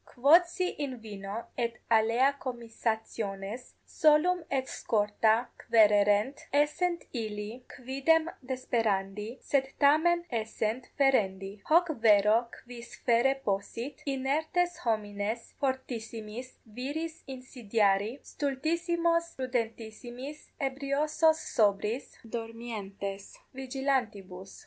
Quodsi in vino et alea comissationes solum et scorta quaererent, essent illi quidem desperandi, sed tamen essent ferendi: hoc vero quis ferre possit, inertes homines fortissimis viris insidiari, stultissimos prudentissimis, ebriosos sobriis, dormientes vigilantibus?